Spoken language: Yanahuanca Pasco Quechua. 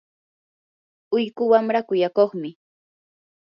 ullqu wamraa kuyakuqmi.